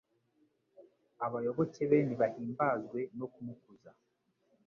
Abayoboke be nibahimbazwe no kumukuza